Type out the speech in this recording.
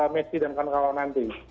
meski dan kanak kanak lawan nanti